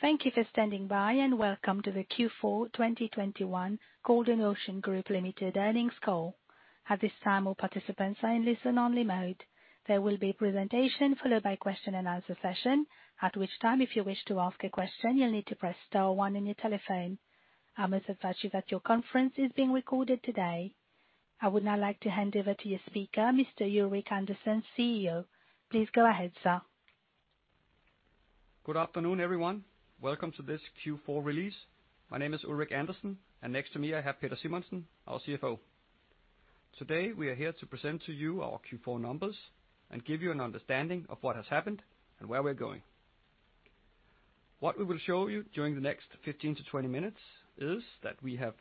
Thank you for standing by, and welcome to the Q4 2021 Golden Ocean Group Limited earnings call. At this time, all participants are in listen only mode. There will be a presentation, followed by question and answer session. At which time, if you wish to ask a question, you'll need to press star one on your telephone. I must advise you that your conference is being recorded today. I would now like to hand over to your speaker, Mr. Ulrik Andersen, CEO. Please go ahead, sir. Good afternoon, everyone. Welcome to this Q4 release. My name is Ulrik Andersen, and next to me, I have Peder Simonsen, our CFO. Today, we are here to present to you our Q4 numbers and give you an understanding of what has happened and where we're going. What we will show you during the next 15-20 minutes is that we have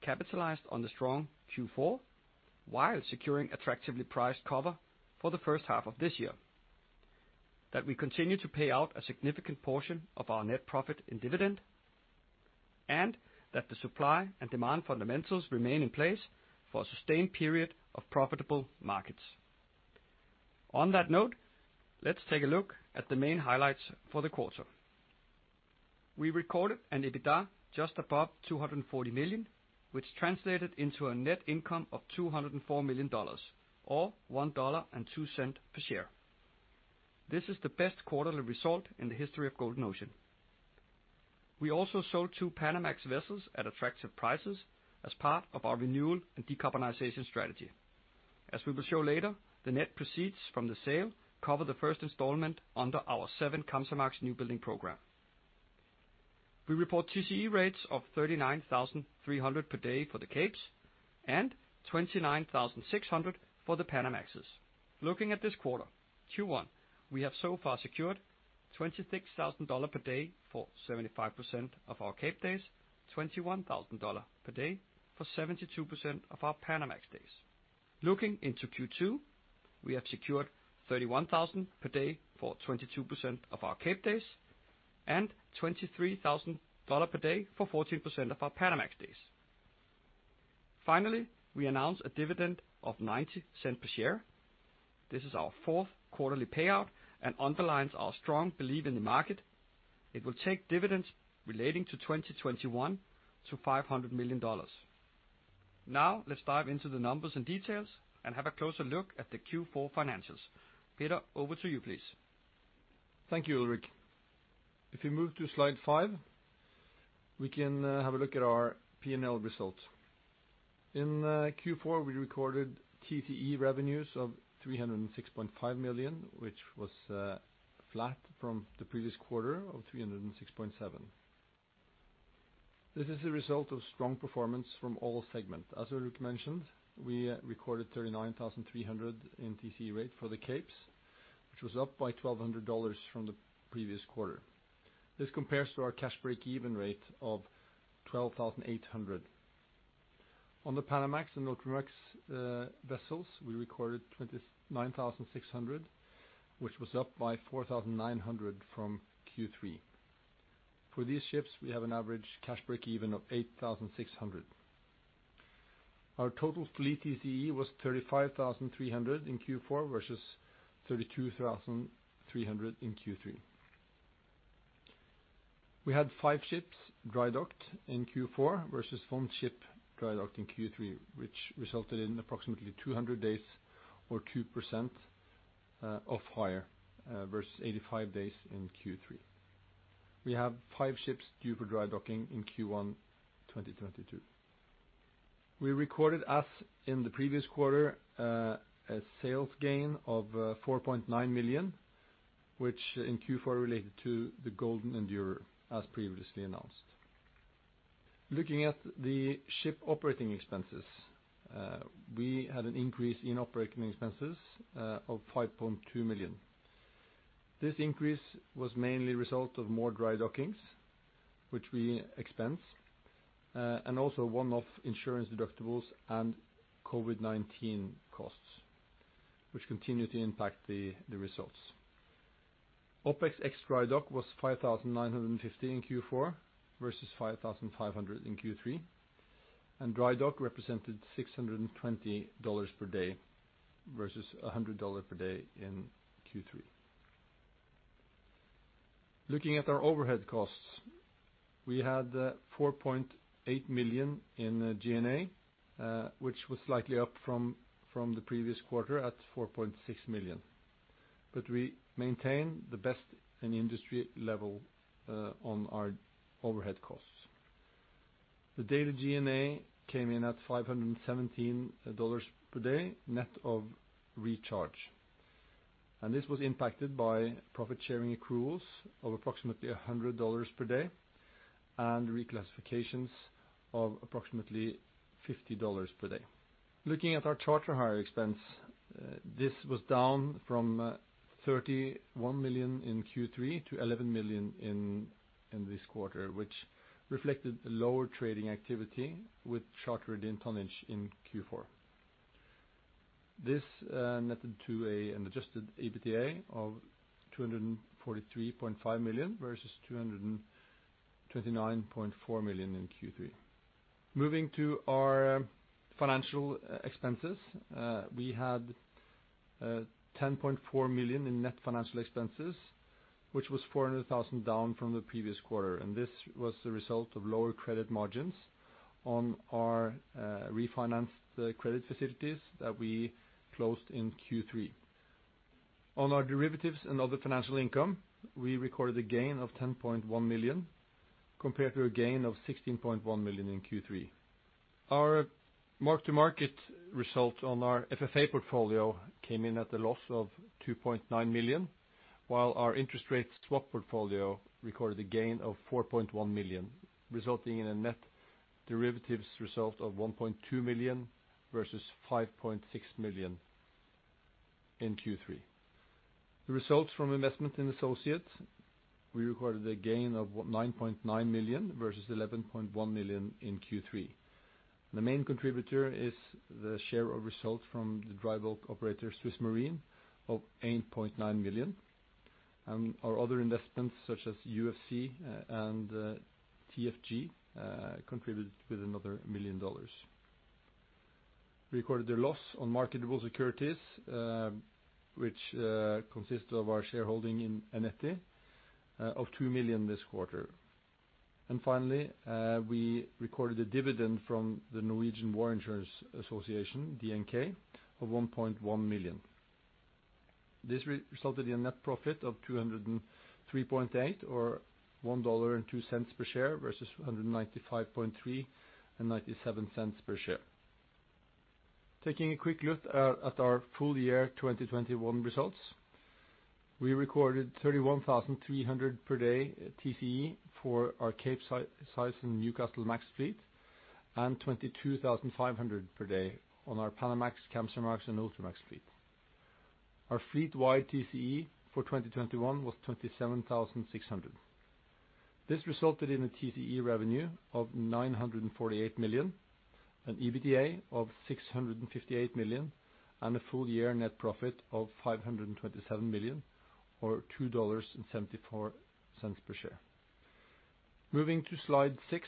capitalized on the strong Q4 while securing attractively priced cover for the first half of this year, that we continue to pay out a significant portion of our net profit in dividend, and that the supply and demand fundamentals remain in place for a sustained period of profitable markets. On that note, let's take a look at the main highlights for the quarter. We recorded an EBITDA just above $240 million, which translated into a net income of $204 million or $1.02 per share. This is the best quarterly result in the history of Golden Ocean. We also sold two Panamax vessels at attractive prices as part of our renewal and decarbonization strategy. As we will show later, the net proceeds from the sale cover the first installment under our seven Kamsarmax new building program. We report TCE rates of $39,300 per day for the Capes and $29,600 for the Panamax. Looking at this quarter, Q1, we have so far secured $26,000 per day for 75% of our Cape days, $21,000 per day for 72% of our Panamax days. Looking into Q2, we have secured $31,000 per day for 22% of our Cape days and $23,000 per day for 14% of our Panamax days. Finally, we announce a dividend of $0.90 per share. This is our fourth quarterly payout and underlines our strong belief in the market. It will take dividends relating to 2021 to $500 million. Now let's dive into the numbers and details and have a closer look at the Q4 financials. Peter, over to you, please. Thank you, Ulrik. If you move to slide 5, we can have a look at our P&L results. In Q4, we recorded TCE revenues of $306.5 million, which was flat from the previous quarter of $306.7 million. This is a result of strong performance from all segments. As Ulrik mentioned, we recorded $39,300 in TCE rate for the Capes, which was up by $1,200 from the previous quarter. This compares to our cash break-even rate of $12,800. On the Panamax and Ultramax vessels, we recorded $29,600, which was up by $4,900 from Q3. For these ships, we have an average cash break-even of $8,600. Our total fleet TCE was 35,300 in Q4 versus 32,300 in Q3. We had five ships dry docked in Q4 versus one ship dry docked in Q3, which resulted in approximately 200 days or 2%, off hire, versus 85 days in Q3. We have five ships due for dry docking in Q1 2022. We recorded, as in the previous quarter, a sales gain of $4.9 million, which in Q4 related to the Golden Endurer, as previously announced. Looking at the ship operating expenses, we had an increase in operating expenses of $5.2 million. This increase was mainly a result of more dry dockings, which we expense, and also one-off insurance deductibles and COVID-19 costs, which continue to impact the results. OpEx ex dry dock was $5,959 in Q4 versus $5,500 in Q3, and dry dock represented $620 per day versus $100 per day in Q3. Looking at our overhead costs, we had $4.8 million in G&A, which was slightly up from the previous quarter at $4.6 million. We maintain the best in the industry level on our overhead costs. The daily G&A came in at $517 per day net of recharge. This was impacted by profit sharing accruals of approximately $100 per day and reclassifications of approximately $50 per day. Looking at our charter hire expense, this was down from $31 million in Q3 to $11 million in this quarter which reflected lower trading activity with charter in tonnage in Q4. This netted to an Adjusted EBITDA of $243.5 million versus $229.4 million in Q3. Moving to our financial expenses, we had $10.4 million in net financial expenses, which was $400,000 down from the previous quarter. This was the result of lower credit margins on our refinanced credit facilities that we closed in Q3. On our derivatives and other financial income, we recorded a gain of $10.1 million compared to a gain of $16.1 million in Q3. Our mark-to-market result on our FFA portfolio came in at a loss of $2.9 million, while our interest rate swap portfolio recorded a gain of $4.1 million, resulting in a net derivatives result of $1.2 million versus $5.6 million in Q3. The results from investment in associates, we recorded a gain of $9.9 million versus $11.1 million in Q3. The main contributor is the share of results from the dry bulk operator Swiss Marine of $8.9 million. Our other investments, such as UFC and TFG, contributed with another $1 million. We recorded a loss on marketable securities, which consists of our shareholding in Eneti of $2 million this quarter. Finally, we recorded a dividend from the Norwegian War Insurance Association, DNK, of $1.1 million. This resulted in a net profit of $203.8 million or $1.02 per share versus $195.3 million and $0.97 per share. Taking a quick look at our full year 2021 results, we recorded $31,300 per day TCE for our Capesize and Newcastlemax fleet and $22,500 per day on our Panamax, Kamsarmax, and Ultramax fleet. Our fleet-wide TCE for 2021 was $27,600. This resulted in a TCE revenue of $948 million, an EBITDA of $658 million, and a full year net profit of $527 million or $2.74 per share. Moving to slide 6,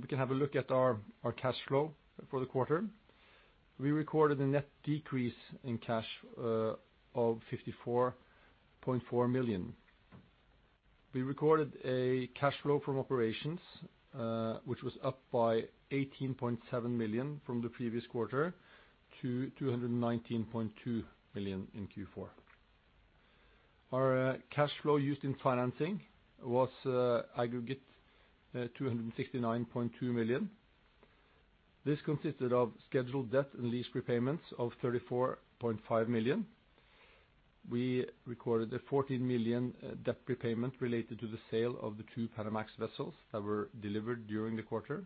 we can have a look at our cash flow for the quarter. We recorded a net decrease in cash of $54.4 million. We recorded a cash flow from operations, which was up by $18.7 million from the previous quarter to $219.2 million in Q4. Our cash flow used in financing was aggregate $269.2 million. This consisted of scheduled debt and lease repayments of $34.5 million. We recorded a $14 million debt repayment related to the sale of the two Panamax vessels that were delivered during the quarter.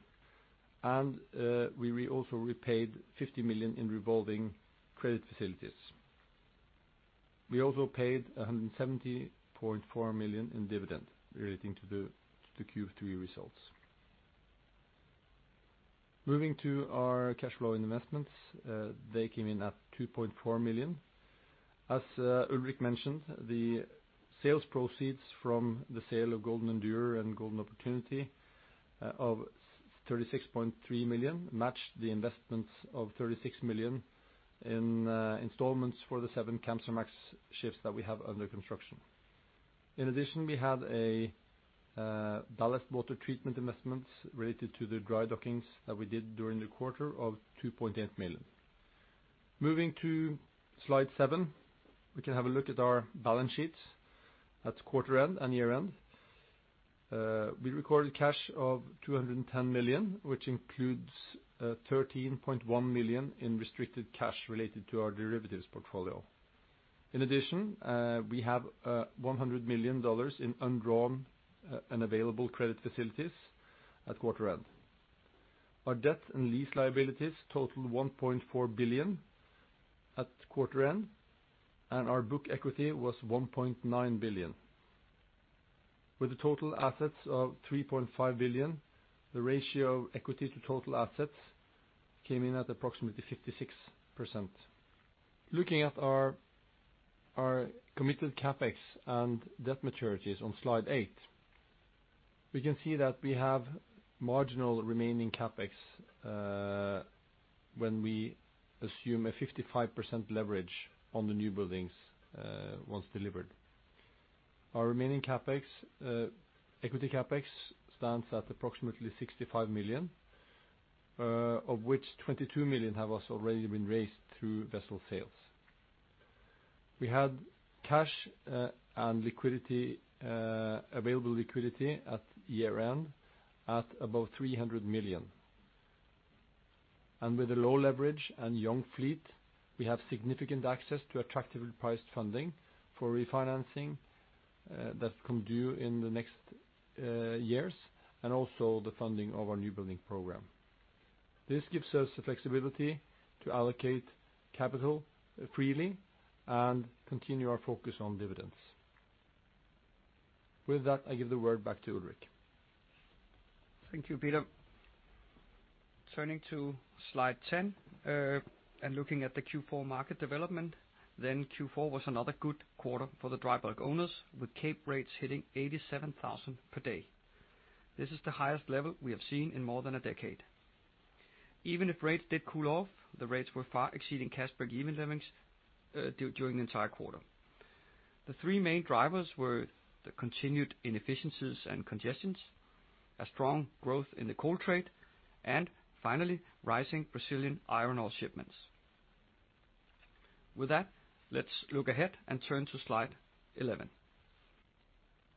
We also repaid $50 million in revolving credit facilities. We also paid $170.4 million in dividend relating to the Q3 results. Moving to our cash flow investments, they came in at $2.4 million. As Ulrik mentioned, the sales proceeds from the sale of Golden Endurer and Golden Opportunity of $36.3 million matched the investments of $36 million in installments for the seven Kamsarmax ships that we have under construction. In addition, we had a ballast water treatment investments related to the dry dockings that we did during the quarter of $2.8 million. Moving to slide seven, we can have a look at our balance sheets at quarter end and year end. We recorded cash of $210 million, which includes $13.1 million in restricted cash related to our derivatives portfolio. In addition, we have $100 million in undrawn and available credit facilities at quarter end. Our debt and lease liabilities total $1.4 billion at quarter end, and our book equity was $1.9 billion. With the total assets of $3.5 billion, the ratio of equity to total assets came in at approximately 56%. Looking at our committed CapEx and debt maturities on slide eight, we can see that we have marginal remaining CapEx when we assume a 55% leverage on the new buildings once delivered. Our remaining CapEx equity CapEx stands at approximately $65 million, of which $22 million have also already been raised through vessel sales. We had cash and liquidity available liquidity at year end at about $300 million. With a low leverage and young fleet, we have significant access to attractively priced funding for refinancing, that come due in the next years, and also the funding of our new building program. This gives us the flexibility to allocate capital freely and continue our focus on dividends. With that, I give the word back to Ulrik. Thank you, Peder. Turning to slide 10, and looking at the Q4 market development, Q4 was another good quarter for the dry bulk owners with Capesize rates hitting $87,000 per day. This is the highest level we have seen in more than a decade. Even if rates did cool off, the rates were far exceeding cash break-even levels, during the entire quarter. The three main drivers were the continued inefficiencies and congestions, a strong growth in the coal trade, and finally rising Brazilian iron ore shipments. With that, let's look ahead and turn to slide 11.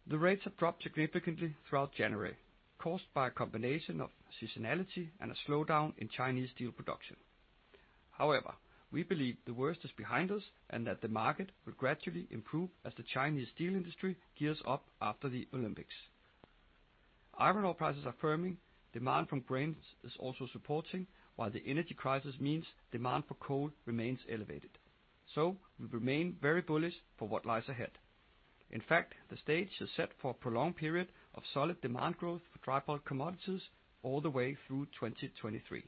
The rates have dropped significantly throughout January, caused by a combination of seasonality and a slowdown in Chinese steel production. However, we believe the worst is behind us and that the market will gradually improve as the Chinese steel industry gears up after the Olympics. Iron ore prices are firming, demand from grains is also supporting while the energy crisis means demand for coal remains elevated. We remain very bullish for what lies ahead. In fact, the stage is set for a prolonged period of solid demand growth for dry bulk commodities all the way through 2023.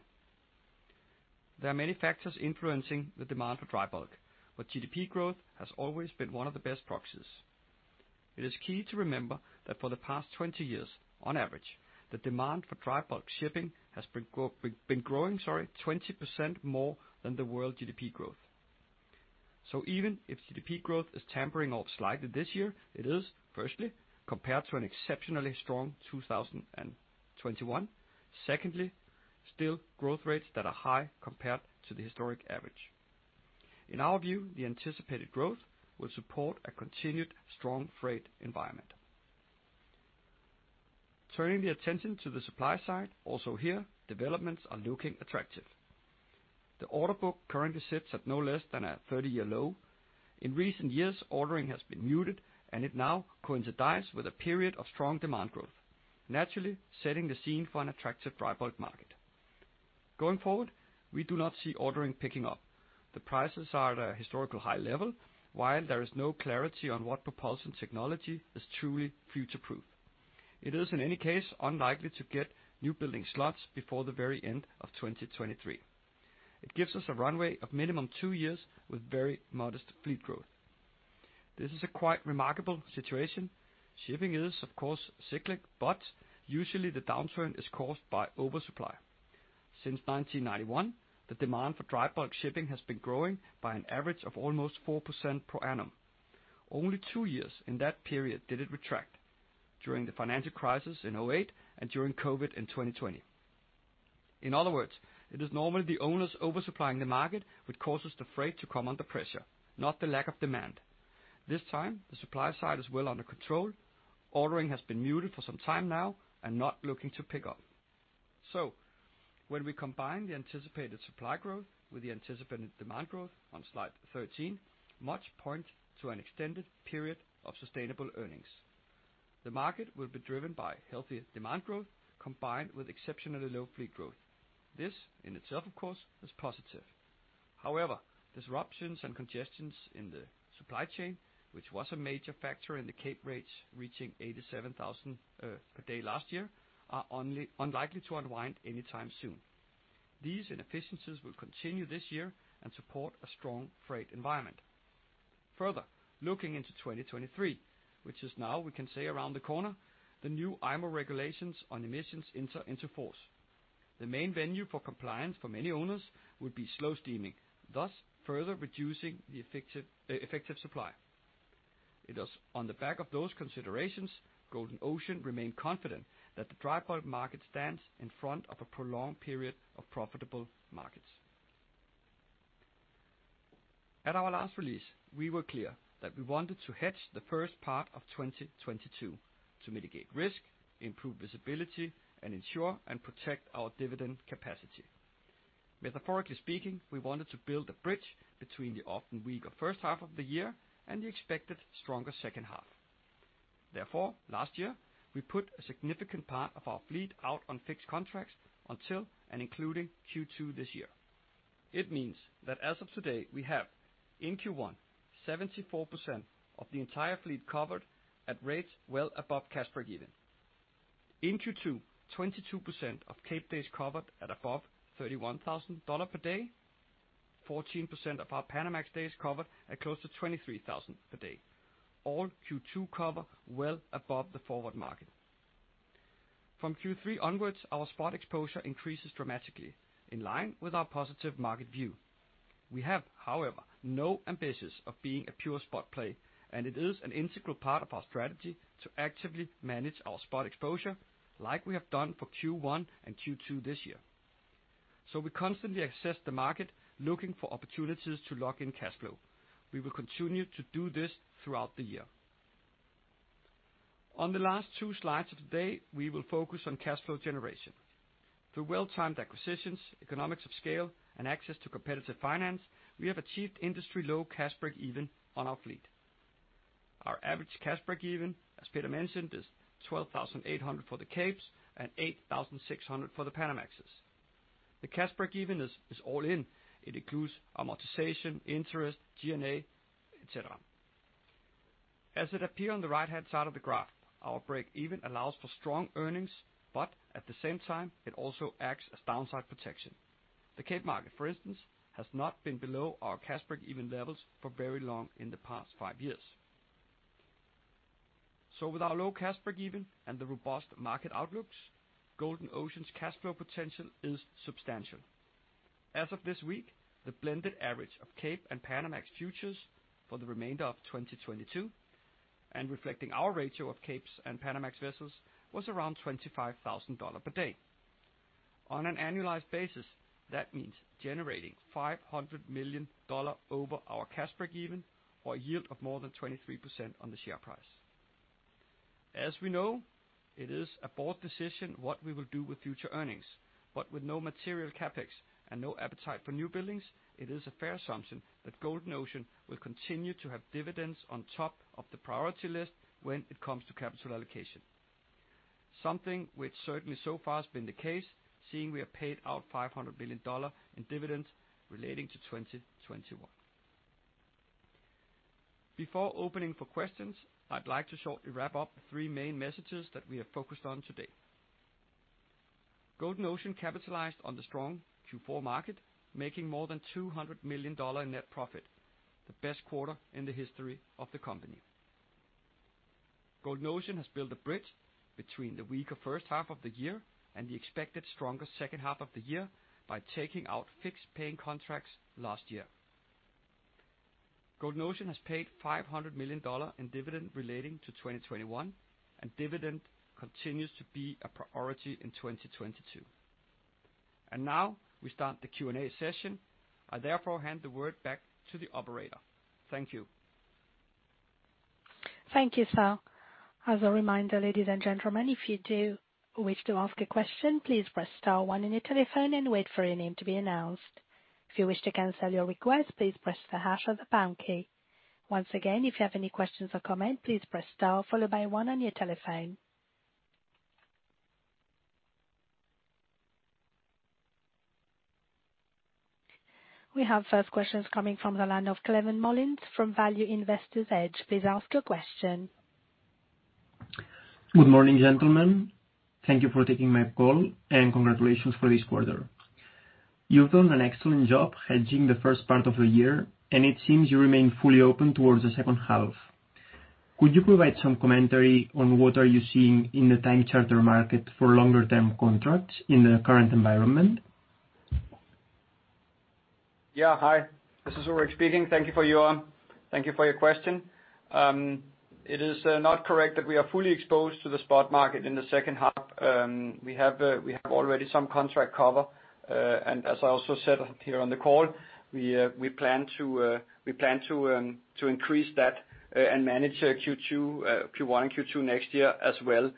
There are many factors influencing the demand for dry bulk, but GDP growth has always been one of the best proxies. It is key to remember that for the past 20 years, on average, the demand for dry bulk shipping has been growing 20% more than the world GDP growth. Even if GDP growth is tapering off slightly this year, it is firstly compared to an exceptionally strong 2021. Secondly, still growth rates that are high compared to the historic average. In our view, the anticipated growth will support a continued strong freight environment. Turning to the supply side, also here, developments are looking attractive. The order book currently sits at no less than a 30-year low. In recent years, ordering has been muted and it now coincides with a period of strong demand growth, naturally setting the scene for an attractive dry bulk market. Going forward, we do not see ordering picking up. The prices are at a historical high level while there is no clarity on what propulsion technology is truly future-proof. It is in any case unlikely to get new building slots before the very end of 2023. It gives us a runway of minimum two years with very modest fleet growth. This is a quite remarkable situation. Shipping is of course cyclic, but usually the downturn is caused by oversupply. Since 1991, the demand for dry bulk shipping has been growing by an average of almost 4% per annum. Only two years in that period did it retract during the financial crisis in 2008 and during COVID in 2020. In other words, it is normally the owners oversupplying the market which causes the freight to come under pressure, not the lack of demand. This time, the supply side is well under control. Ordering has been muted for some time now and not looking to pick up. When we combine the anticipated supply growth with the anticipated demand growth on slide 13, much point to an extended period of sustainable earnings. The market will be driven by healthy demand growth combined with exceptionally low fleet growth. This in itself, of course, is positive. However, disruptions and congestions in the supply chain, which was a major factor in the Cape rates reaching $87,000 per day last year, are unlikely to unwind anytime soon. These inefficiencies will continue this year and support a strong freight environment. Further, looking into 2023, which is now we can say around the corner, the new IMO regulations on emissions enter into force. The main venue for compliance for many owners would be slow steaming, thus further reducing the effective supply. It is on the back of those considerations, Golden Ocean remain confident that the dry bulk market stands in front of a prolonged period of profitable markets. At our last release, we were clear that we wanted to hedge the first part of 2022 to mitigate risk, improve visibility, and ensure and protect our dividend capacity. Metaphorically speaking, we wanted to build a bridge between the often weaker first half of the year and the expected stronger second half. Therefore, last year, we put a significant part of our fleet out on fixed contracts until and including Q2 this year. It means that as of today, we have in Q1 74% of the entire fleet covered at rates well above cash break-even. In Q2, 22% of Cape days covered at above $31,000 per day. 14% of our Panamax days covered at close to $23,000 per day. All Q2 cover well above the forward market. From Q3 onwards, our spot exposure increases dramatically in line with our positive market view. We have, however, no ambitions of being a pure spot play, and it is an integral part of our strategy to actively manage our spot exposure like we have done for Q1 and Q2 this year. We constantly assess the market looking for opportunities to lock in cash flow. We will continue to do this throughout the year. On the last two slides of today, we will focus on cash flow generation. Through well-timed acquisitions, economies of scale, and access to competitive finance, we have achieved industry-low cash breakeven on our fleet. Our average cash breakeven, as Peter mentioned, is $12,800 for the Capes and $8,600 for the Panamax. The cash breakeven is all in. It includes amortization, interest, G&A, et cetera. As it appears on the right-hand side of the graph, our break even allows for strong earnings, but at the same time, it also acts as downside protection. The Cape market, for instance, has not been below our cash break even levels for very long in the past five years. With our low cash break even and the robust market outlooks, Golden Ocean's cash flow potential is substantial. As of this week, the blended average of Cape and Panamax futures for the remainder of 2022, and reflecting our ratio of Capes and Panamax vessels, was around $25,000 per day. On an annualized basis, that means generating $500 million over our cash break even or a yield of more than 23% on the share price. As we know, it is a board decision what we will do with future earnings. With no material CapEx and no appetite for new buildings, it is a fair assumption that Golden Ocean will continue to have dividends on top of the priority list when it comes to capital allocation. Something which certainly so far has been the case, seeing we have paid out $500 million in dividends relating to 2021. Before opening for questions, I'd like to shortly wrap up the three main messages that we have focused on today. Golden Ocean capitalized on the strong Q4 market, making more than $200 million in net profit, the best quarter in the history of the company. Golden Ocean has built a bridge between the weaker first half of the year and the expected stronger second half of the year by taking out fixed paying contracts last year. Golden Ocean has paid $500 million in dividend relating to 2021, and dividend continues to be a priority in 2022. Now we start the Q&A session. I therefore hand the word back to the operator. Thank you. Thank you, sir. As a reminder, ladies and gentlemen, if you do wish to ask a question, please press star one on your telephone and wait for your name to be announced. If you wish to cancel your request, please press the hash or the pound key. Once again, if you have any questions or comments, please press star followed by one on your telephone. We have first questions coming from the line of Climent Molins from Value Investor's Edge. Please ask your question. Good morning, gentlemen. Thank you for taking my call and congratulations for this quarter. You've done an excellent job hedging the first part of the year, and it seems you remain fully open towards the second half. Could you provide some commentary on what are you seeing in the time charter market for longer term contracts in the current environment? Yeah. Hi, this is Ulrik speaking. Thank you for your question. It is not correct that we are fully exposed to the spot market in the second half. We have already some contract cover. As I also said here on the call, we plan to increase that and manage Q1 and Q2 next year as well.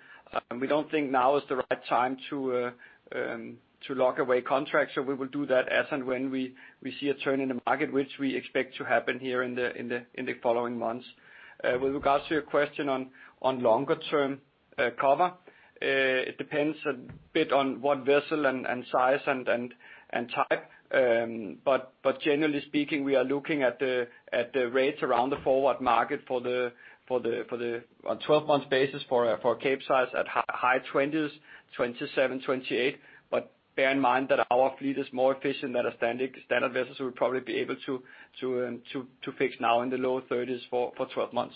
We don't think now is the right time to lock away contracts. We will do that as and when we see a turn in the market, which we expect to happen here in the following months. With regards to your question on longer-term cover, it depends a bit on what vessel and size and type. Generally speaking, we are looking at the rates around the forward market for the on 12-month basis for Capesize at high 20s, 27, 28. Bear in mind that our fleet is more efficient than standard vessels. We'll probably be able to fix now in the low 30s for 12 months.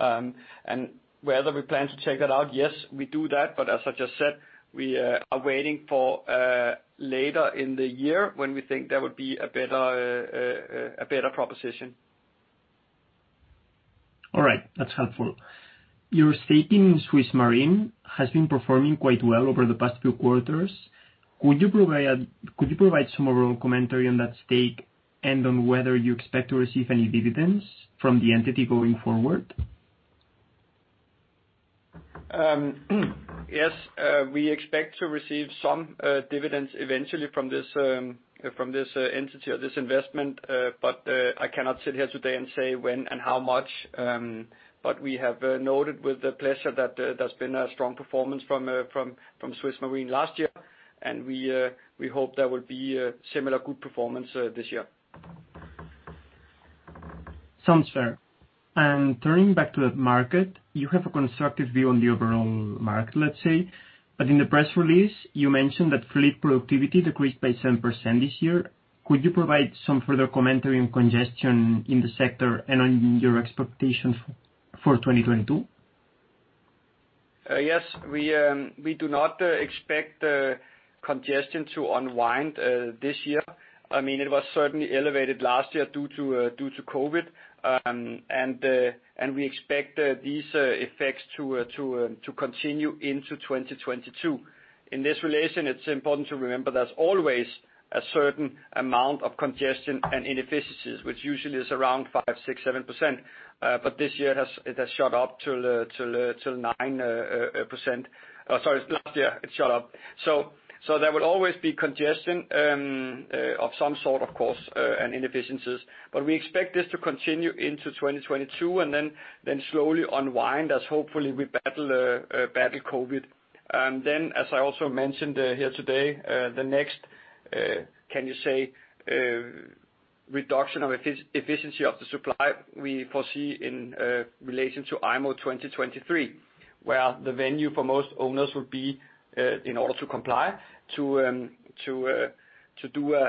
And whether we plan to take that out? Yes, we do that. As I just said, we are waiting for later in the year when we think there would be a better proposition. All right. That's helpful. Your stake in Swiss Marine has been performing quite well over the past few quarters. Could you provide some overall commentary on that stake and on whether you expect to receive any dividends from the entity going forward? Yes, we expect to receive some dividends eventually from this entity or this investment. I cannot sit here today and say when and how much. We have noted with pleasure that there's been a strong performance from Swiss Marine last year, and we hope there will be a similar good performance this year. Sounds fair. Turning back to the market, you have a constructive view on the overall market, let's say. In the press release, you mentioned that fleet productivity decreased by 7% this year. Could you provide some further commentary on congestion in the sector and on your expectations for 2022? Yes. We do not expect congestion to unwind this year. I mean, it was certainly elevated last year due to COVID, and we expect these effects to continue into 2022. In this regard, it's important to remember there's always a certain amount of congestion and inefficiencies, which usually is around 5%, 6%, 7%. But this year it has shot up to 9%. Sorry, last year it shot up. There will always be congestion of some sort, of course, and inefficiencies. We expect this to continue into 2022 and then slowly unwind as hopefully we battle COVID. As I also mentioned here today, the next reduction of efficiency of the supply we foresee in relation to IMO 2023, where the avenue for most owners would be in order to comply to do a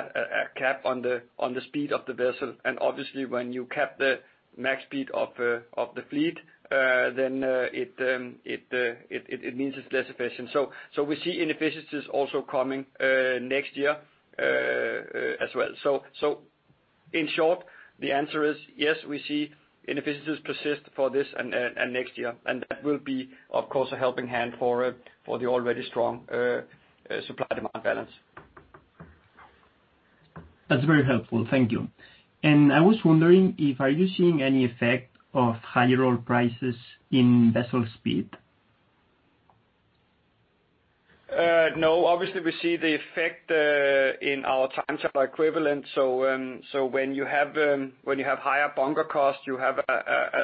cap on the speed of the vessel. Obviously, when you cap the max speed of the fleet, then it means it's less efficient. We see inefficiencies also coming next year as well. In short, the answer is yes, we see inefficiencies persist for this and next year, and that will be, of course, a helping hand for the already strong supply-demand balance. That's very helpful. Thank you. I was wondering if you are seeing any effect of higher oil prices in vessel speed? No. Obviously, we see the effect in our ton supply equivalent. When you have higher bunker costs, you have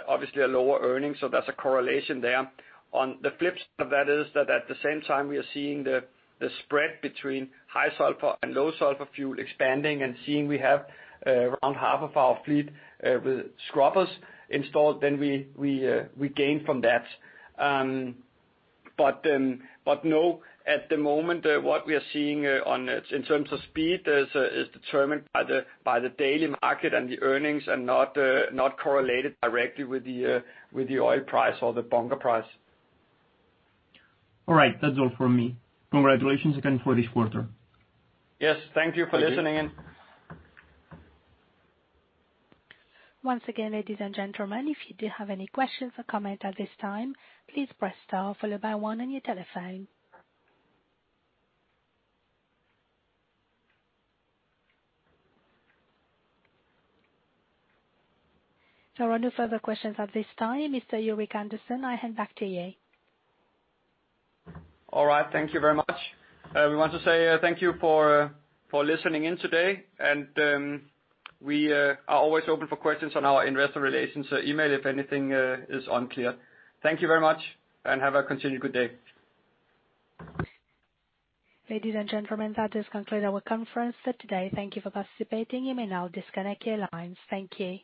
obviously a lower earnings. That's a correlation there. On the flip side of that is that at the same time, we are seeing the spread between high sulfur and low sulfur fuel expanding and, seeing we have around half of our fleet with scrubbers installed, then we gain from that. At the moment, what we are seeing on it in terms of speed is determined by the daily market and the earnings and not correlated directly with the oil price or the bunker price. All right. That's all from me. Congratulations again for this quarter. Yes. Thank you for listening in. Thank you. Once again, ladies and gentlemen, if you do have any questions or comments at this time, please press star followed by one on your telephone. There are no further questions at this time. Mr. Ulrik Andersen, I hand back to you. All right. Thank you very much. We want to say thank you for listening in today, and we are always open for questions on our investor relations email if anything is unclear. Thank you very much and have a continued good day. Ladies and gentlemen, that does conclude our conference for today. Thank you for participating. You may now disconnect your lines. Thank you.